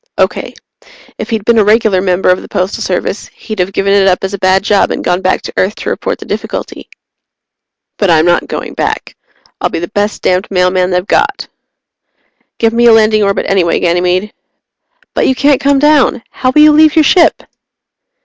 Okay. If he'd been a regular member of the Postal Service, he'd have given it up as a bad job and gone back to Earth to report the difficulty. But I'm not going back. I'll be the best damned mailman they've got. "Give me a landing orbit anyway, Ganymede." "But you can't come down! How will you leave your ship?"